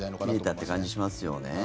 見れたって感じしますよね。